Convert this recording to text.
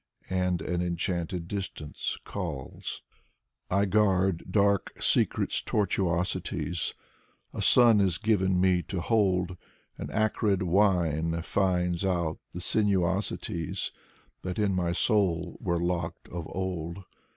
And an enchanted distance calls. I guard dark secrets' tortuosities. A sun is given me to hold. An acrid wine finds out the sinuosities That in my soul were locked of old.